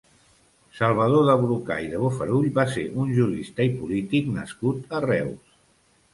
Salvador de Brocà i de Bofarull va ser un jurista i polític nascut a Reus.